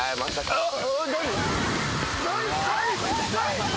あっ！？